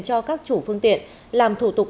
cho các chủ phương tiện làm thủ tục